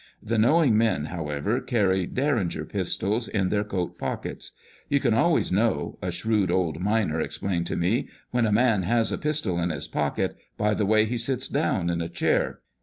The knowing men, however, carry " Derringer" pistols in their coat pockets. " You can always know," a shrewd old miner explained to me, " when a man has a pistol in his pocket, by the way he sits down in a chair.